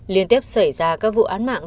liên tiếp xảy ra các vụ án mạng